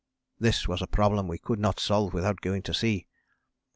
This was a problem we could not solve without going to see.